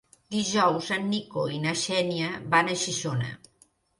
Dijous en Nico i na Xènia van a Xixona.